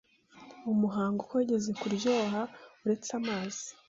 umuhango ko yigeze kuryoha uretse amazi.